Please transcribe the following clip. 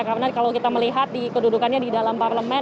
karena kalau kita melihat kedudukannya di dalam parlemen